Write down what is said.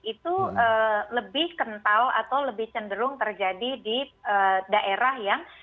itu lebih kental atau lebih cenderung terjadi di daerah yang